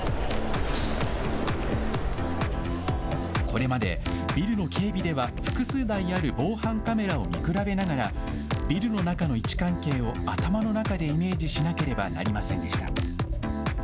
これまでビルの警備では、複数台ある防犯カメラを見比べながら、ビルの中の位置関係を頭の中でイメージしなければなりませんでした。